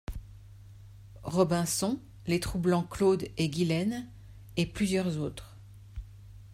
Robinson, les troublants Claude et Guylaine et plusieurs autres.